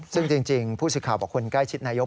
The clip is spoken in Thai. ซึ่งจริงผู้สื่อข่าวบอกคนใกล้ชิดนายก